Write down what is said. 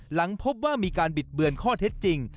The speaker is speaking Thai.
หลังพบว่ามีการบิดเบือนข้อเท็จจริง